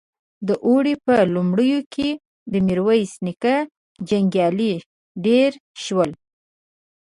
د اوړي په لومړيو کې د ميرويس نيکه جنګيالي ډېر شول.